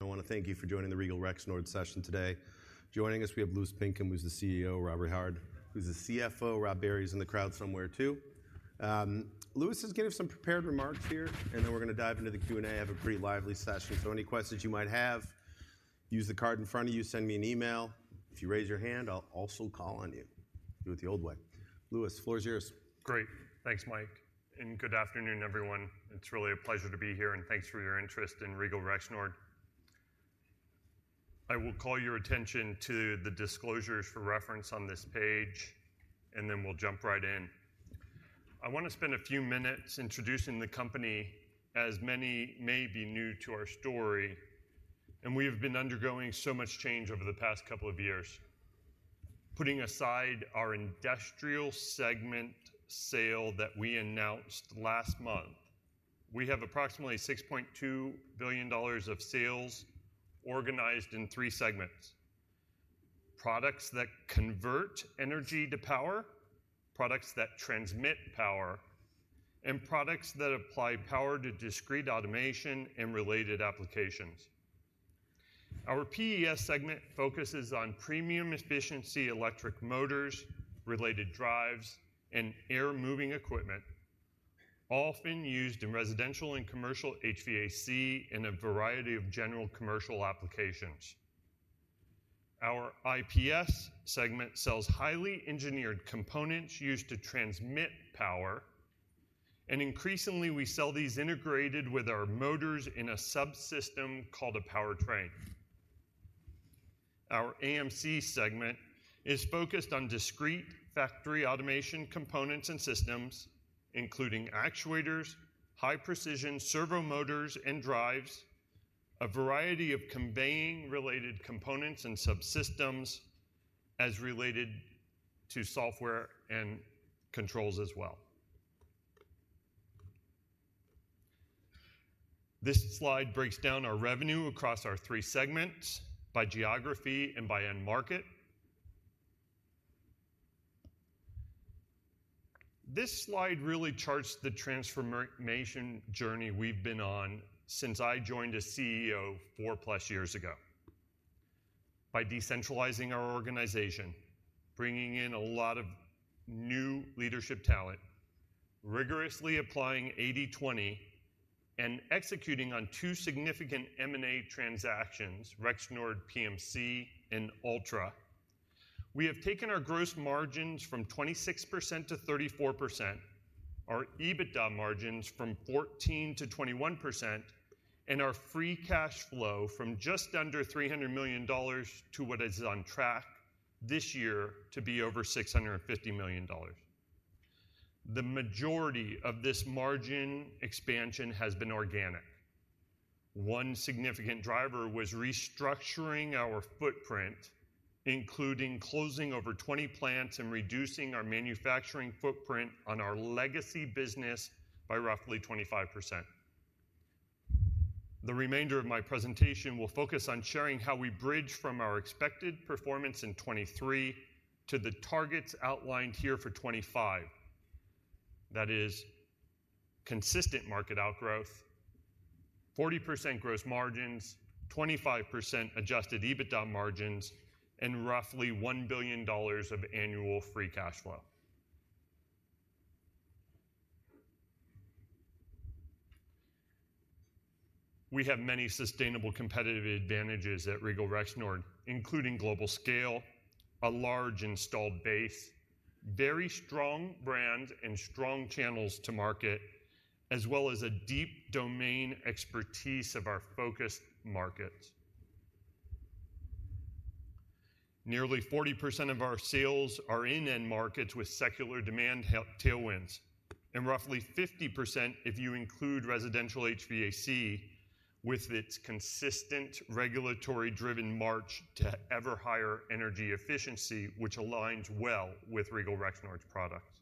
I want to thank you for joining the Regal Rexnord session today. Joining us, we have Louis Pinkham, who's the CEO, Robert Rehard, who's the CFO. Rob Barry is in the crowd somewhere, too. Lewis is giving some prepared remarks here, and then we're gonna dive into the Q&A. Have a pretty lively session, so any questions you might have, use the card in front of you, send me an email. If you raise your hand, I'll also call on you. Do it the old way. Louis, floor is yours. Great. Thanks, Mike, and good afternoon, everyone. It's really a pleasure to be here, and thanks for your interest in Regal Rexnord. I will call your attention to the disclosures for reference on this page, and then we'll jump right in. I want to spend a few minutes introducing the company, as many may be new to our story, and we have been undergoing so much change over the past couple of years. Putting aside our industrial segment sale that we announced last month, we have approximately $6.2 billion of sales organized in three segments: products that convert energy to power, products that transmit power, and products that apply power to discrete automation and related applications. Our PES segment focuses on premium efficiency, electric motors, related drives, and air moving equipment, often used in residential and commercial HVAC in a variety of general commercial applications. Our IPS segment sells highly engineered components used to transmit power, and increasingly we sell these integrated with our motors in a subsystem called a powertrain. Our AMC segment is focused on discrete factory automation components and systems, including actuators, high precision servo motors and drives, a variety of conveying related components and subsystems as related to software and controls as well. This slide breaks down our revenue across our three segments by geography and by end market. This slide really charts the transformation journey we've been on since I joined as CEO 4+ years ago. By decentralizing our organization, bringing in a lot of new leadership talent, rigorously applying 80/20, and executing on two significant M&A transactions, Rexnord PMC, and Altra. We have taken our gross margins from 26% to 34%, our EBITDA margins from 14% to 21%, and our free cash flow from just under $300 million to what is on track this year to be over $650 million. The majority of this margin expansion has been organic. One significant driver was restructuring our footprint, including closing over 20 plants and reducing our manufacturing footprint on our legacy business by roughly 25%. The remainder of my presentation will focus on sharing how we bridge from our expected performance in 2023 to the targets outlined here for 2025. That is consistent market outgrowth, 40% gross margins, 25% Adjusted EBITDA margins, and roughly $1 billion of annual free cash flow. We have many sustainable competitive advantages at Regal Rexnord, including global scale, a large installed base, very strong brand and strong channels to market, as well as a deep domain expertise of our focused markets. Nearly 40% of our sales are in end markets with secular demand tailwinds, and roughly 50%, if you include residential HVAC, with its consistent regulatory-driven march to ever higher energy efficiency, which aligns well with Regal Rexnord's products.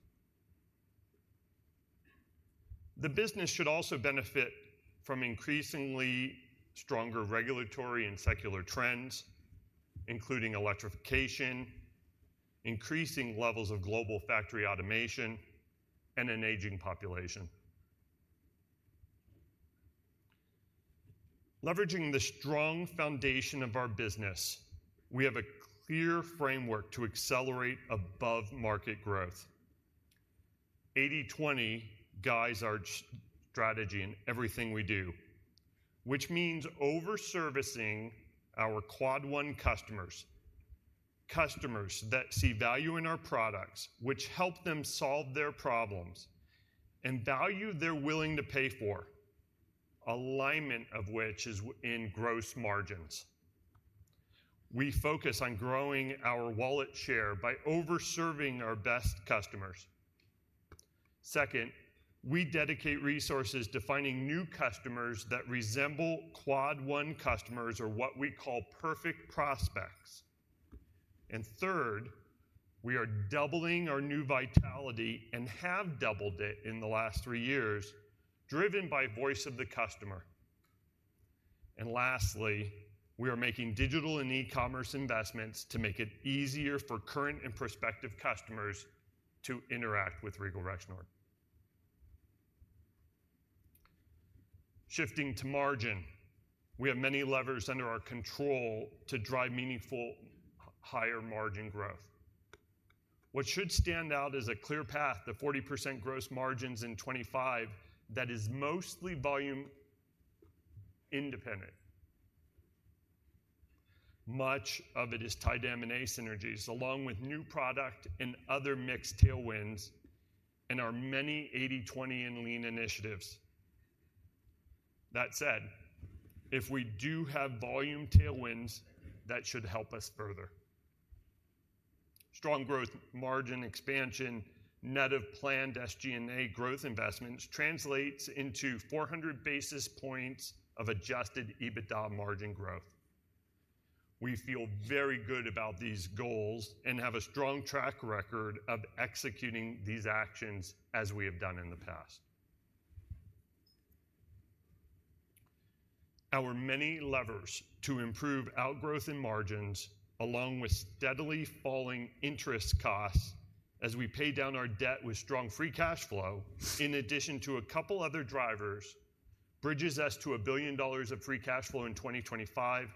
The business should also benefit from increasingly stronger regulatory and secular trends, including electrification, increasing levels of global factory automation, and an aging population. Leveraging the strong foundation of our business, we have a clear framework to accelerate above-market growth. 80/20 guides our strategy in everything we do, which means over-servicing our Quad 1 customers, customers that see value in our products, which help them solve their problems, and value they're willing to pay for, alignment of which is in gross margins. We focus on growing our wallet share by over-servicing our best customers. Second, we dedicate resources to finding new customers that resemble Quad 1 customers or what we call perfect prospects. Third, we are doubling our new vitality and have doubled it in the last three years, driven by voice of the customer. Lastly, we are making digital and e-commerce investments to make it easier for current and prospective customers to interact with Regal Rexnord. Shifting to margin, we have many levers under our control to drive meaningful higher margin growth. What should stand out is a clear path to 40% gross margins in 2025 that is mostly volume independent. Much of it is tied to M&A synergies, along with new product and other mixed tailwinds, and our many 80/20 and lean initiatives. That said, if we do have volume tailwinds, that should help us further. Strong growth margin expansion, net of planned SG&A growth investments, translates into 400 basis points of Adjusted EBITDA margin growth. We feel very good about these goals and have a strong track record of executing these actions as we have done in the past. Our many levers to improve outgrowth and margins, along with steadily falling interest costs as we pay down our debt with strong free cash flow, in addition to a couple other drivers, bridges us to $1 billion of free cash flow in 2025,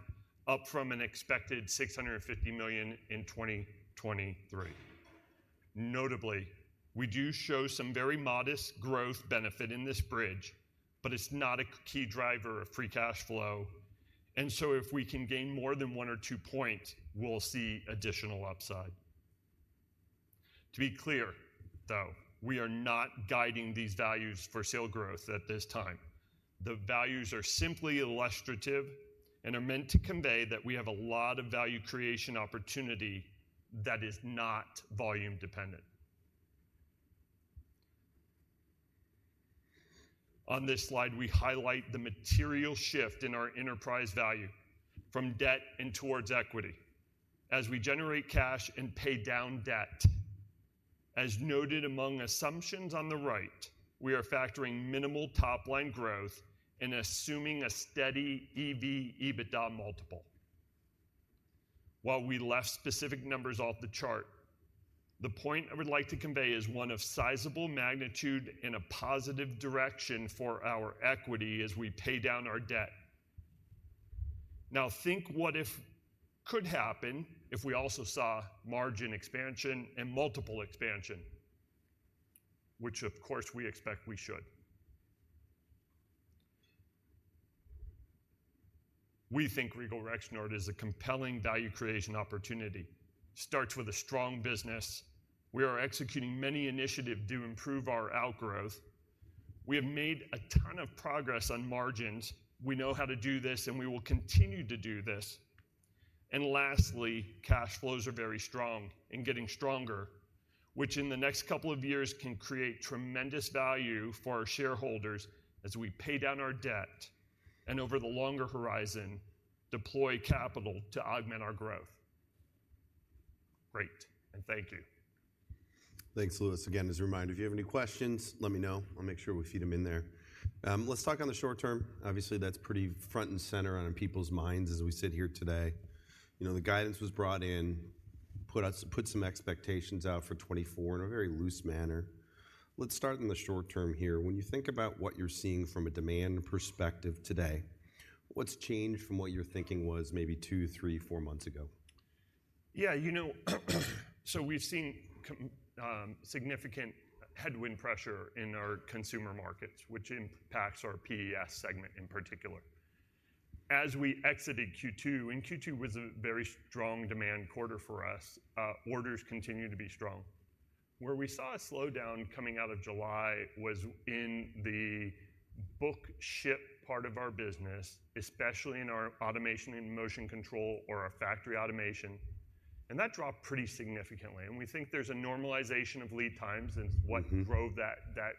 up from an expected $650 million in 2023. Notably, we do show some very modest growth benefit in this bridge, but it's not a key driver of free cash flow, and so if we can gain more than one or two points, we'll see additional upside. To be clear, though, we are not guiding these values for sale growth at this time. The values are simply illustrative and are meant to convey that we have a lot of value creation opportunity that is not volume dependent. On this slide, we highlight the material shift in our enterprise value from debt and towards equity as we generate cash and pay down debt. As noted among assumptions on the right, we are factoring minimal top-line growth and assuming a steady EV/EBITDA Multiple. While we left specific numbers off the chart, the point I would like to convey is one of sizable magnitude in a positive direction for our equity as we pay down our debt. Now, think what if could happen if we also saw margin expansion and multiple expansion, which of course, we expect we should. We think Regal Rexnord is a compelling value creation opportunity. Starts with a strong business. We are executing many initiatives to improve our outgrowth. We have made a ton of progress on margins. We know how to do this, and we will continue to do this. Lastly, cash flows are very strong and getting stronger, which in the next couple of years can create tremendous value for our shareholders as we pay down our debt, and over the longer horizon, deploy capital to augment our growth. Great, and thank you. Thanks, Louis. Again, as a reminder, if you have any questions, let me know. I'll make sure we feed them in there. Let's talk on the short term. Obviously, that's pretty front and center on people's minds as we sit here today. You know, the guidance was brought in, put some expectations out for 2024 in a very loose manner. Let's start in the short term here. When you think about what you're seeing from a demand perspective today, what's changed from what your thinking was maybe two, three, four months ago? Yeah, you know, so we've seen significant headwind pressure in our consumer markets, which impacts our PES segment in particular. As we exited Q2, and Q2 was a very strong demand quarter for us, orders continued to be strong. Where we saw a slowdown coming out of July was in the book ship part of our business, especially in our automation and motion control or our factory automation, and that dropped pretty significantly. And we think there's a normalization of lead times. Mm-hmm. As what drove that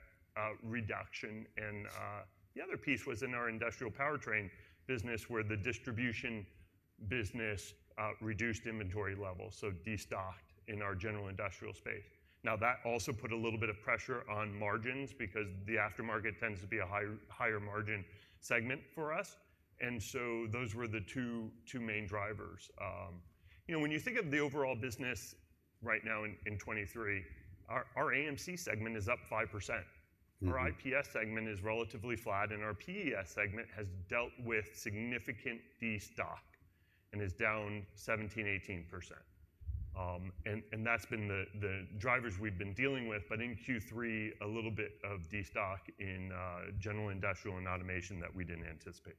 reduction. And, the other piece was in our industrial powertrain business, where the distribution business reduced inventory levels, so destocked in our general industrial space. Now, that also put a little bit of pressure on margins because the aftermarket tends to be a higher margin segment for us, and so those were the two main drivers. You know, when you think of the overall business right now in 2023, our AMC segment is up 5%. Mm-hmm. Our IPS segment is relatively flat, and our PES segment has dealt with significant destock and is down 17%-18%. And that's been the drivers we've been dealing with, but in Q3, a little bit of destock in general industrial and automation that we didn't anticipate.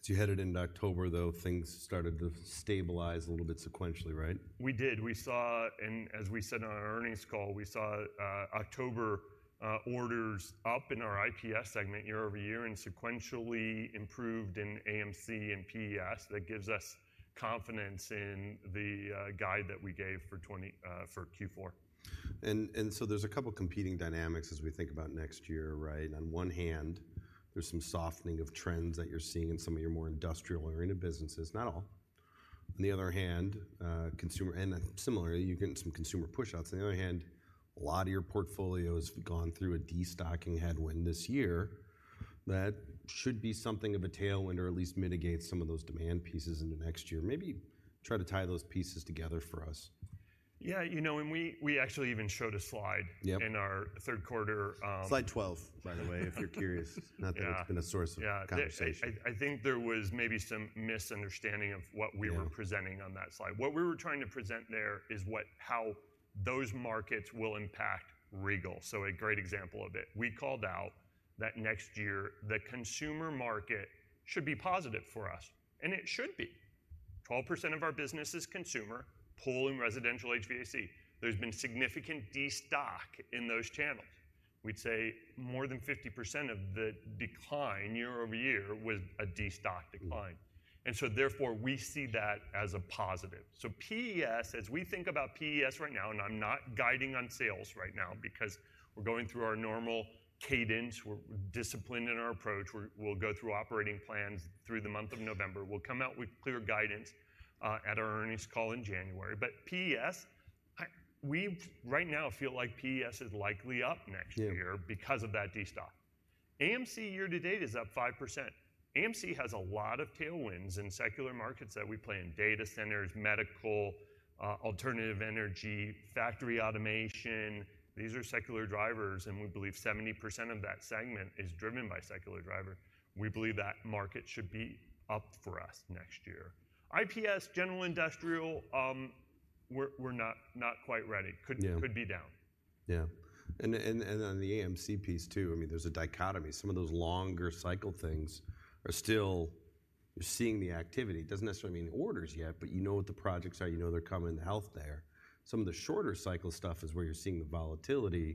As you headed into October, though, things started to stabilize a little bit sequentially, right? We did. We saw, and as we said on our earnings call, we saw October orders up in our IPS segment year-over-year and sequentially improved in AMC and PES. That gives us confidence in the guide that we gave for Q4. So there's a couple competing dynamics as we think about next year, right? On one hand, there's some softening of trends that you're seeing in some of your more industrial-oriented businesses, not all. On the other hand, consumer, and similarly, you're getting some consumer pushouts. On the other hand, a lot of your portfolio has gone through a destocking headwind this year, that should be something of a tailwind, or at least mitigate some of those demand pieces into next year. Maybe try to tie those pieces together for us. Yeah, you know, and we, we actually even showed a slide- Yep.... in our third quarter, Slide 12, by the way, if you're curious. Yeah. Not that it's been a source of- Yeah.... conversation. I think there was maybe some misunderstanding of what- Yeah.... we were presenting on that slide. What we were trying to present there is what, how those markets will impact Regal. So a great example of it: we called out that next year, the consumer market should be positive for us, and it should be. 12% of our business is consumer, pool and residential HVAC. There's been significant destock in those channels. We'd say more than 50% of the decline year-over-year was a destock decline. Mm. So therefore, we see that as a positive. So PES, as we think about PES right now, and I'm not guiding on sales right now, because we're going through our normal cadence, we're disciplined in our approach. We'll go through operating plans through the month of November. We'll come out with clear guidance at our earnings call in January. But PES, we've right now feel like PES is likely up next year- Yeah.... because of that destocking. AMC year to date is up 5%. AMC has a lot of tailwinds in secular markets that we play in: data centers, medical, alternative energy, factory automation. These are secular drivers, and we believe 70% of that segment is driven by secular driver. We believe that market should be up for us next year. IPS, general industrial, we're not quite ready. Yeah. Could be down. Yeah. And on the AMC piece, too, I mean, there's a dichotomy. Some of those longer cycle things are still... You're seeing the activity. Doesn't necessarily mean in orders yet, but you know what the projects are. You know they're coming, the health there. Some of the shorter cycle stuff is where you're seeing the volatility,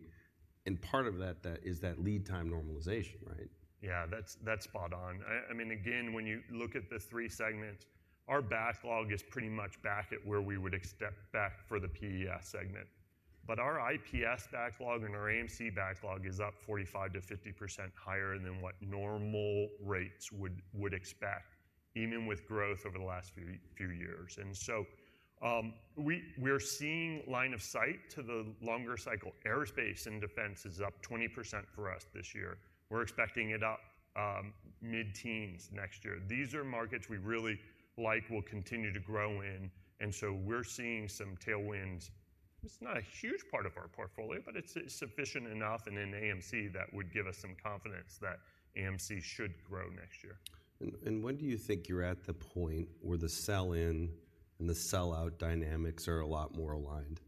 and part of that is that lead time normalization, right? Yeah, that's spot on. I mean, again, when you look at the three segments, our backlog is pretty much back at where we would expect back for the PES segment. But our IPS backlog and our AMC backlog is up 45%-50% higher than what normal rates would expect, even with growth over the last few years. And so, we're seeing line of sight to the longer cycle. Aerospace and defense is up 20% for us this year. We're expecting it up mid-teens next year. These are markets we really like, will continue to grow in, and so we're seeing some tailwinds. It's not a huge part of our portfolio, but it's sufficient enough, and in AMC, that would give us some confidence that AMC should grow next year. When do you think you're at the point where the sell in and the sell out dynamics are a lot more aligned?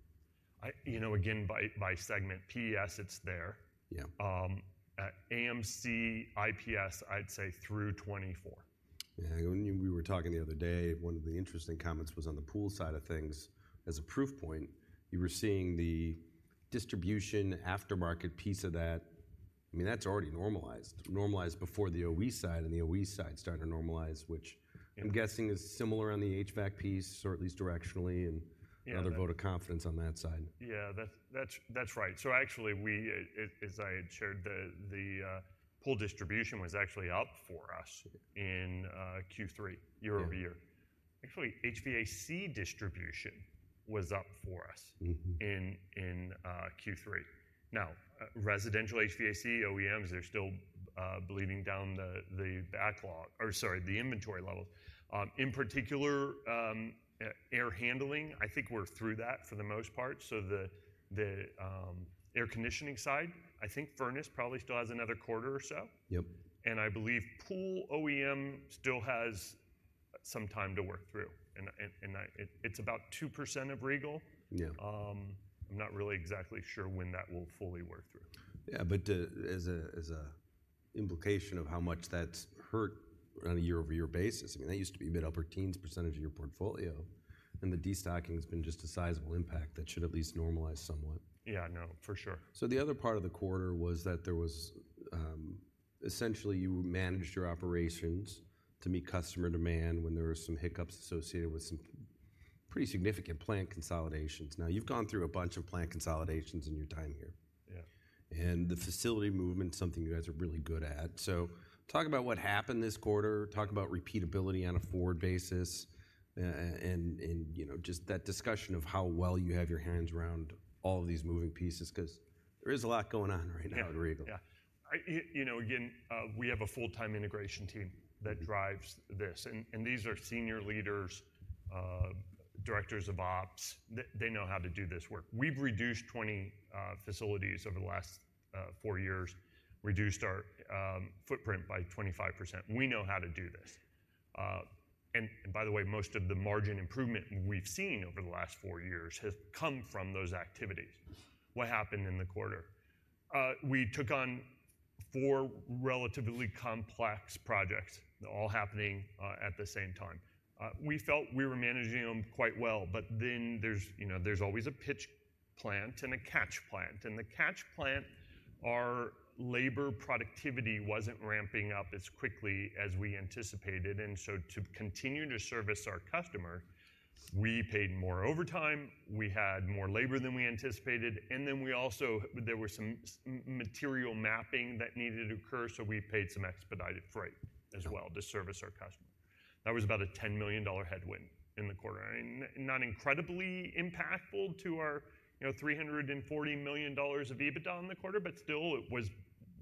You know, again, by, by segment. PES, it's there. Yeah. AMC, IPS, I'd say through 2024. Yeah, when you... We were talking the other day, one of the interesting comments was on the pool side of things. As a proof point, you were seeing the distribution aftermarket piece of that... I mean, that's already normalized. Normalized before the OE side, and the OE side is starting to normalize, which- Yeah.... I'm guessing is similar on the HVAC piece, or at least directionally, and- Yeah.... another vote of confidence on that side. Yeah, that's right. So actually, we, as I had shared, the pool distribution was actually up for us in Q3 year-over-year. Yeah. Actually, HVAC distribution was up for us- Mm-hmm.... in Q3. Now, residential HVAC OEMs, they're still bleeding down the backlog or, sorry, the inventory levels. In particular, air handling, I think we're through that for the most part. So the air conditioning side, I think furnace probably still has another quarter or so. Yep. I believe pool OEM still has some time to work through, and it's about 2% of Regal. Yeah. I'm not really exactly sure when that will fully work through. Yeah, but as an implication of how much that's hurt on a year-over-year basis, I mean, that used to be mid- to upper-teens percent of your portfolio, and the destocking has been just a sizable impact that should at least normalize somewhat. Yeah, no, for sure. So the other part of the quarter was that there was, essentially, you managed your operations to meet customer demand when there were some hiccups associated with some pretty significant plant consolidations. Now, you've gone through a bunch of plant consolidations in your time here. Yeah. The facility movement's something you guys are really good at. So talk about what happened this quarter, talk about repeatability on a forward basis, and, you know, just that discussion of how well you have your hands around all of these moving pieces, 'cause there is a lot going on right now- Yeah.... at Regal. Yeah. I, you know, again, we have a full-time integration team- Mm-hmm.... that drives this, and these are senior leaders, directors of ops. They know how to do this work. We've reduced 20 facilities over the last four years, reduced our footprint by 25%. We know how to do this. And by the way, most of the margin improvement we've seen over the last four years has come from those activities. What happened in the quarter? We took on four relatively complex projects, all happening at the same time. We felt we were managing them quite well, but then there's, you know, there's always a pitch plant and a catch plant. And the catch plant, our labor productivity wasn't ramping up as quickly as we anticipated, and so to continue to service our customer, we paid more overtime, we had more labor than we anticipated, and then we also—there were some material mapping that needed to occur, so we paid some expedited freight as well- Okay.... to service our customer. That was about a $10 million headwind in the quarter, and not incredibly impactful to our, you know, $340 million of EBITDA in the quarter, but still it was-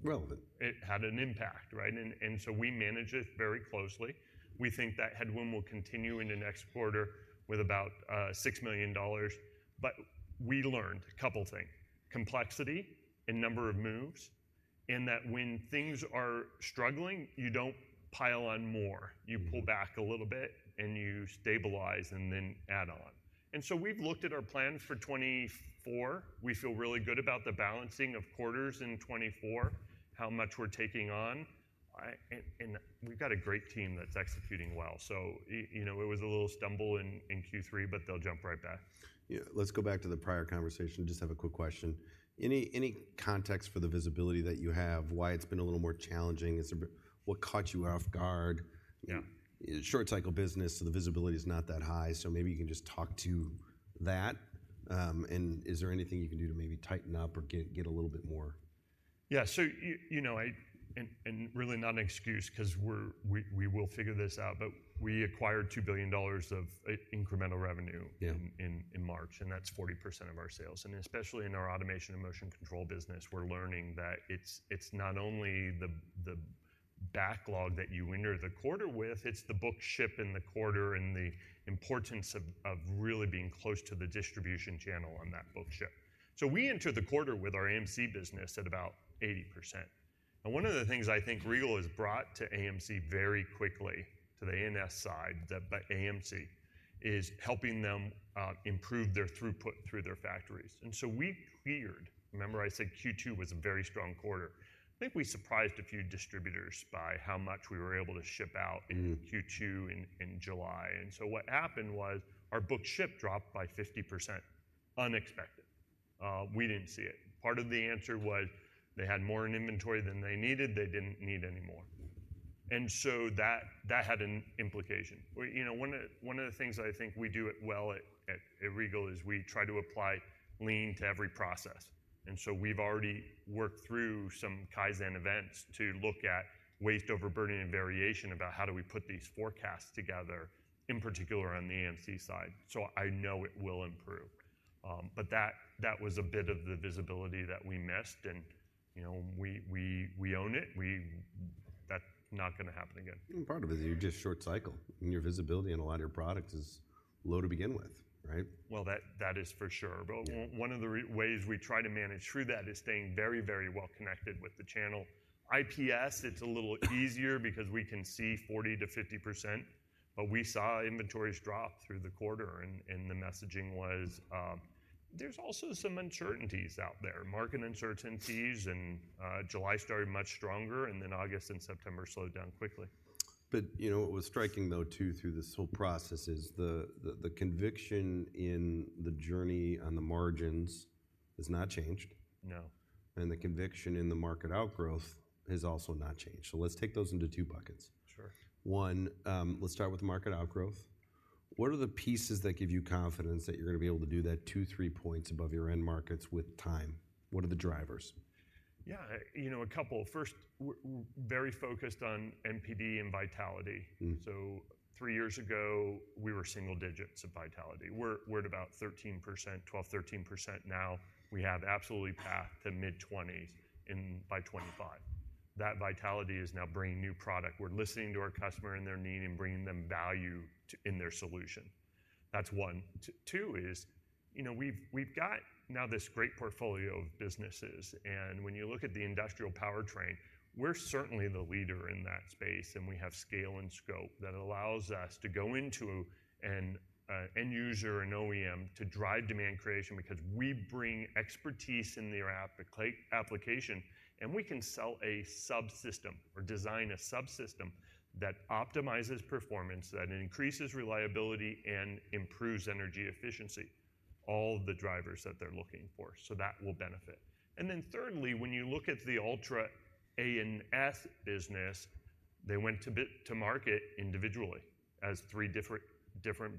Relevant. It had an impact, right? And so we manage it very closely. We think that headwind will continue into next quarter with about $6 million. But we learned a couple things: complexity and number of moves, and that when things are struggling, you don't pile on more. Mm. You pull back a little bit, and you stabilize and then add on. And so we've looked at our plans for 2024. We feel really good about the balancing of quarters in 2024, how much we're taking on, and we've got a great team that's executing well. So you know, it was a little stumble in Q3, but they'll jump right back. Yeah. Let's go back to the prior conversation. Just have a quick question. Any context for the visibility that you have, why it's been a little more challenging? It's a, what caught you off guard? Yeah. Short cycle business, so the visibility is not that high, so maybe you can just talk to that. And is there anything you can do to maybe tighten up or get a little bit more? Yeah. So you know, and really not an excuse, 'cause we will figure this out, but we acquired $2 billion of incremental revenue- Yeah.... in March, and that's 40% of our sales. And especially in our automation and motion control business, we're learning that it's not only the backlog that you enter the quarter with, it's the book ship in the quarter and the importance of really being close to the distribution channel on that book ship. So we entered the quarter with our AMC business at about 80%. And one of the things I think Regal has brought to AMC very quickly, to the A&S side, that, but AMC, is helping them improve their throughput through their factories. And so we cleared... Remember I said Q2 was a very strong quarter. I think we surprised a few distributors by how much we were able to ship out- Mm.... in Q2 in July. So what happened was, our book ship dropped by 50% unexpected. We didn't see it. Part of the answer was they had more in inventory than they needed. They didn't need any more. So that had an implication. You know, one of the things I think we do well at Regal is we try to apply lean to every process, and so we've already worked through some Kaizen events to look at waste, overburden, and variation about how do we put these forecasts together, in particular on the AMC side. So I know it will improve. But that was a bit of the visibility that we missed, and, you know, we own it. That's not gonna happen again. Part of it is you're just short cycle, and your visibility on a lot of your products is low to begin with, right? Well, that is for sure. Yeah. But one of the ways we try to manage through that is staying very, very well connected with the channel. IPS, it's a little easier because we can see 40%-50%, but we saw inventories drop through the quarter, and the messaging was, there's also some uncertainties out there, market uncertainties. July started much stronger, and then August and September slowed down quickly. But, you know, what was striking though, too, through this whole process is the conviction in the journey on the margins has not changed. No. And the conviction in the market outgrowth has also not changed. So let's take those into two buckets. Sure. One, let's start with market outgrowth. What are the pieces that give you confidence that you're gonna be able to do that two, three points above your end markets with time? What are the drivers? Yeah, you know, a couple. First, very focused on NPD and vitality. Mm. So three years ago, we were single digits of vitality. We're at about 13%, 12%-13% now. We have absolutely path to mid-20s by 2025. That vitality is now bringing new product. We're listening to our customer and their need and bringing them value in their solution. That's one. Two is, you know, we've got now this great portfolio of businesses, and when you look at the industrial powertrain, we're certainly the leader in that space, and we have scale and scope that allows us to go into an end user or an OEM to drive demand creation, because we bring expertise in their application, and we can sell a subsystem or design a subsystem that optimizes performance, that increases reliability, and improves energy efficiency, all the drivers that they're looking for. So that will benefit. And then thirdly, when you look at the Altra A&S business, they went to market individually as three different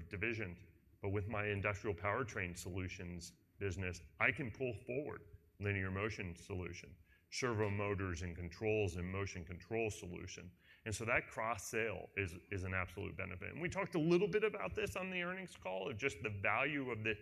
divisions. But with my industrial powertrain solutions business, I can pull forward linear motion solution, servo motors and controls, and motion control solution. And so that cross sale is an absolute benefit. And we talked a little bit about this on the earnings call, of just the value of the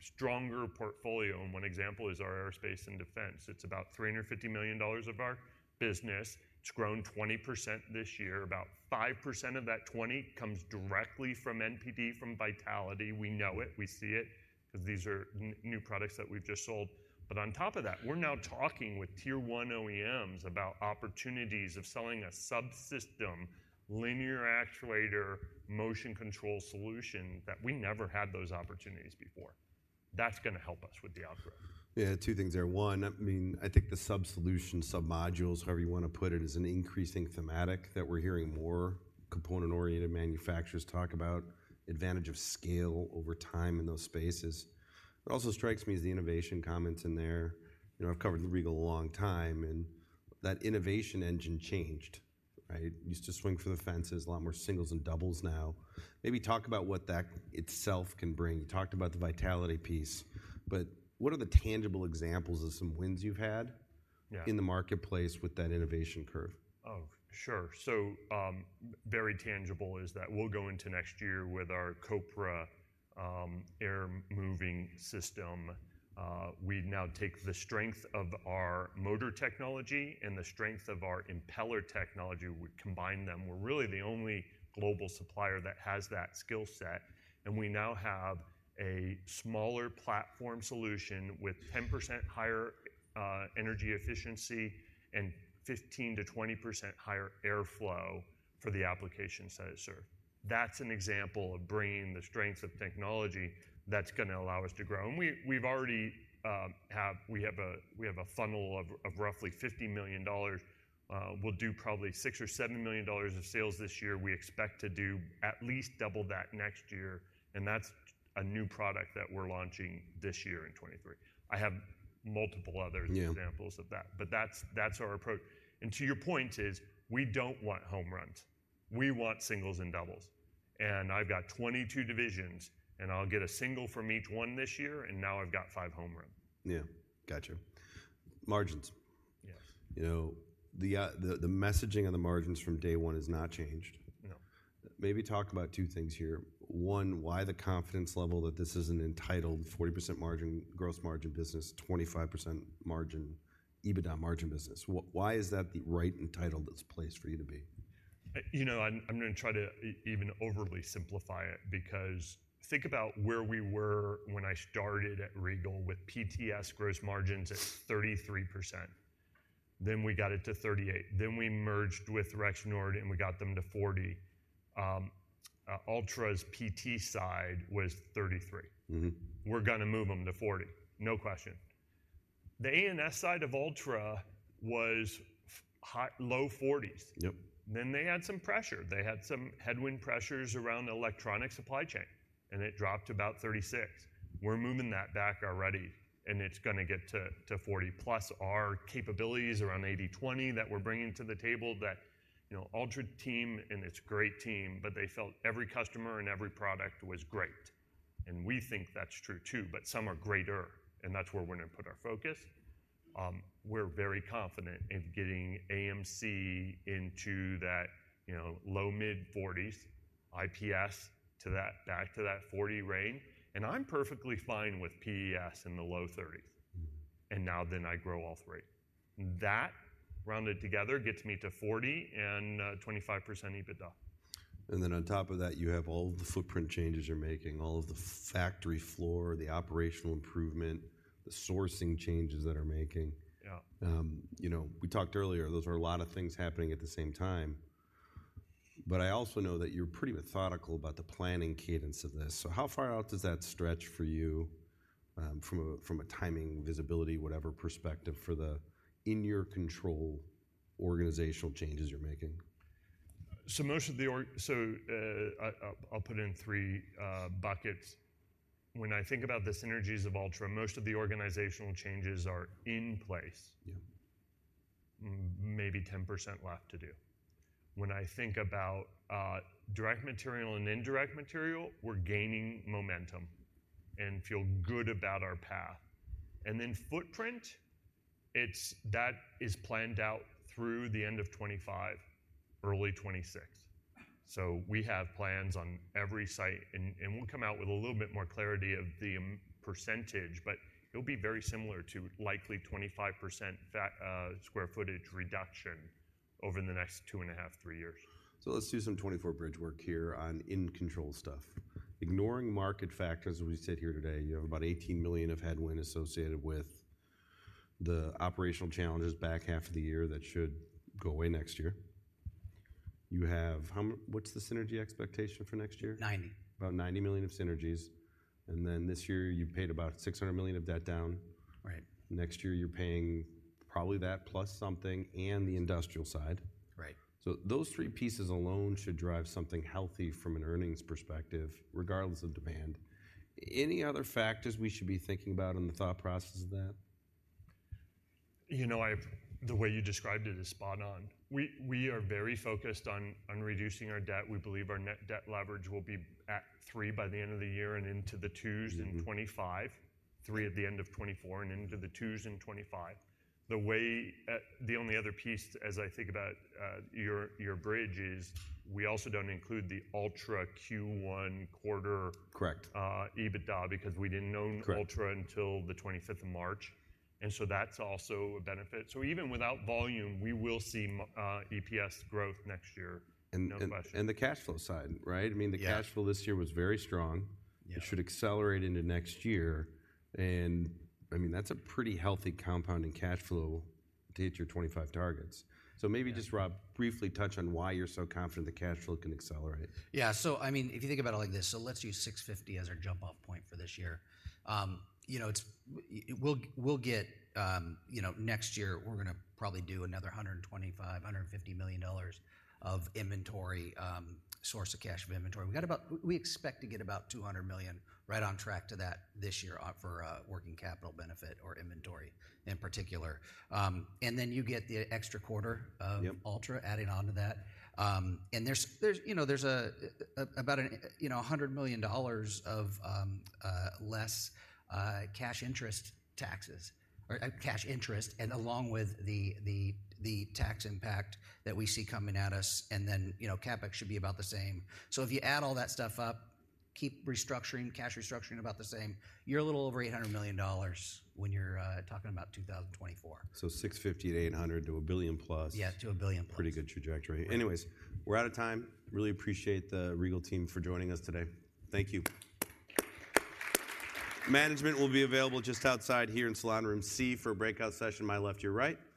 stronger portfolio, and one example is our aerospace and defense. It's about $350 million of our business. It's grown 20% this year. About 5% of that 20% comes directly from NPD, from vitality. We know it, we see it, because these are new products that we've just sold. But on top of that, we're now talking with Tier 1 OEMs about opportunities of selling a subsystem, linear actuator, motion control solution, that we never had those opportunities before. That's gonna help us with the outgrowth. Yeah, two things there. One, I mean, I think the sub-solution, sub-modules, however you want to put it, is an increasing thematic that we're hearing more component-oriented manufacturers talk about: advantage of scale over time in those spaces. What also strikes me is the innovation comments in there. You know, I've covered Regal a long time, and that innovation engine changed, right? Used to swing for the fences, a lot more singles and doubles now... maybe talk about what that itself can bring. You talked about the vitality piece, but what are the tangible examples of some wins you've had- Yeah.... in the marketplace with that innovation curve? Oh, sure. So, very tangible is that we'll go into next year with our COPRA air moving system. We now take the strength of our motor technology and the strength of our impeller technology, we combine them. We're really the only global supplier that has that skill set, and we now have a smaller platform solution with 10% higher energy efficiency and 15%-20% higher airflow for the applications that I serve. That's an example of bringing the strengths of technology that's gonna allow us to grow. And we have a funnel of roughly $50 million. We'll do probably $6 million or $7 million of sales this year. We expect to do at least double that next year, and that's a new product that we're launching this year in 2023. I have multiple other- Yeah.... examples of that, but that's, that's our approach. And to your point is, we don't want home runs, we want singles and doubles. And I've got 22 divisions, and I'll get a single from each one this year, and now I've got five home run. Yeah. Gotcha. Margins. Yes. You know, the messaging on the margins from day one has not changed. No. Maybe talk about two things here. One, why the confidence level that this is an entitled 40% margin, gross margin business, 25% margin, EBITDA margin business? Why is that the right and entitled, that's the place for you to be? You know, I'm gonna try to even overly simplify it, because think about where we were when I started at Regal with PTS gross margins at 33%, then we got it to 38%. Then we merged with Rexnord, and we got them to 40%. Altra's PT side was 33%. Mm-hmm. We're gonna move them to 40, no question. The A&S side of Altra was high... low 40s. Yep. Then they had some pressure, they had some headwind pressures around the electronic supply chain, and it dropped to about 36. We're moving that back already, and it's gonna get to 40+ our capabilities around 80/20 that we're bringing to the table, that, you know, Altra team, and it's a great team, but they felt every customer and every product was great. And we think that's true too, but some are greater, and that's where we're gonna put our focus. We're very confident in getting AMC into that, you know, low-mid 40s, IPS to that back to that 40 range. And I'm perfectly fine with PES in the low 30s. Mm-hmm. Now, then I grow all three. That, rounded together, gets me to 40 and 25% EBITDA. Then on top of that, you have all of the footprint changes you're making, all of the factory floor, the operational improvement, the sourcing changes that are making. Yeah. You know, we talked earlier, those are a lot of things happening at the same time. But I also know that you're pretty methodical about the planning cadence of this. So how far out does that stretch for you, from a timing, visibility, whatever, perspective for the in-your-control organizational changes you're making? So, I'll put it in three buckets. When I think about the synergies of Altra, most of the organizational changes are in place. Yeah. Maybe 10% left to do. When I think about direct material and indirect material, we're gaining momentum and feel good about our path. And then footprint, it's that is planned out through the end of 2025, early 2026. So we have plans on every site, and we'll come out with a little bit more clarity of the percentage, but it'll be very similar to likely 25% square footage reduction over the next two and a half, three years. So let's do some 2024 bridge work here on in-control stuff. Ignoring market factors, as we sit here today, you have about $18 million of headwind associated with the operational challenges back half of the year that should go away next year. You have what's the synergy expectation for next year? $90. About $90 million of synergies, and then this year you've paid about $600 million of that down. Right. Next year, you're paying probably that plus something and the industrial side. Right. Those three pieces alone should drive something healthy from an earnings perspective, regardless of demand. Any other factors we should be thinking about in the thought process of that? You know, the way you described it is spot on. We are very focused on reducing our debt. We believe our net debt leverage will be at 3 by the end of the year and into the 2s. Mm-hmm.... in 2025. 3 at the end of 2024 and into the 2s in 2025. The way, the only other piece as I think about your bridge is, we also don't include the Altra Q1 quarter- Correct.... EBITDA, because we didn't own Altra- Correct.... until the 25th of March, and so that's also a benefit. So even without volume, we will see EPS growth next year, no question. The cash flow side, right? Yeah. I mean, the cash flow this year was very strong. Yeah. It should accelerate into next year, and, I mean, that's a pretty healthy compounding cash flow to hit your 2025 targets. Yeah. So maybe just, Rob, briefly touch on why you're so confident the cash flow can accelerate. Yeah. So, I mean, if you think about it like this: so let's use 650 as our jump-off point for this year. You know, it's... we'll get, you know, next year, we're gonna probably do another $125 million-$150 million of inventory, source of cash of inventory. We've got about—we expect to get about $200 million, right on track to that this year, for working capital benefit or inventory in particular. And then you get the extra quarter of- Yep.... Altra adding on to that. And there's, you know, there's about, you know, a hundred million dollars of less cash interest taxes, or cash interest, and along with the tax impact that we see coming at us, and then, you know, CapEx should be about the same. So if you add all that stuff up, keep restructuring, cash restructuring about the same, you're a little over eight hundred million dollars when you're talking about 2024. So $650-$800 to $1 billion+. Yeah, to $1 billion+. Pretty good trajectory. Anyways, we're out of time. Really appreciate the Regal team for joining us today. Thank you. Management will be available just outside here in Salon Room C for a breakout session. My left, your right. Thank-